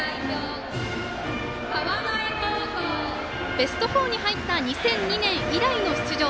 ベスト４に入った２００２年以来の出場。